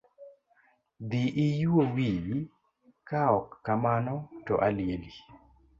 Dhi iyuo wiyo, kaok kamano to alieli.